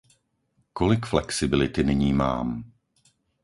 Kolik flexibility nyní mám?